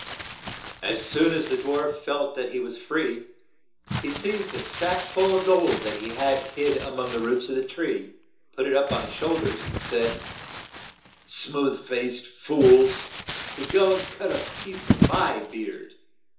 As soon as the dwarf felt that he was free, he seized a sack full of gold that he had hid a mong the roots of the tree, put it up on his shoul ders, and said, "Smooth faced fools! to go and cut a piece ot my beard.